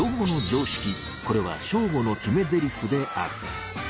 これはショーゴの決めゼリフである。